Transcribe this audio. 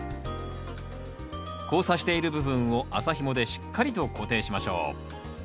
交差している部分を麻ひもでしっかりと固定しましょう。